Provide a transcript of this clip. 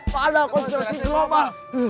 pada konspirasi global